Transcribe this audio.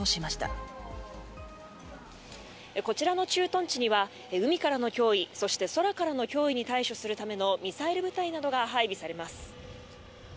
こちらの駐屯地には、海からの脅威、そして空からの脅威に対処するためのミサイル部隊などが配備されます。